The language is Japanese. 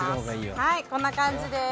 はいこんな感じです。